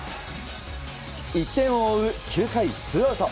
１点を追う９回ツーアウト。